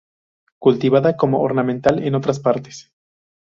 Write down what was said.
Cultivada como ornamental en otras partes.